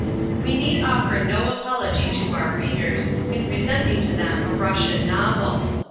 We need offer no apology to our readers in presenting to them a Russian novel.